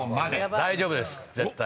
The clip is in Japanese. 大丈夫です絶対。